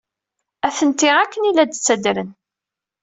Atni akken ay la d-ttadren.